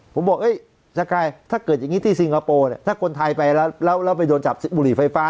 ผมบอกสกายถ้าเกิดอย่างนี้ที่สิงคโปร์เนี่ยถ้าคนไทยไปแล้วไปโดนจับบุหรี่ไฟฟ้า